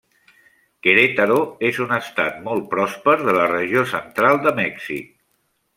Querétaro és un estat molt pròsper de la regió central de Mèxic.